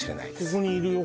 ここにいるよ